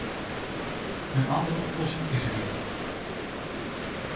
Een andere oplossing is er niet.